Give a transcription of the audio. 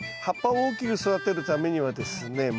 葉っぱを大きく育てるためにはですね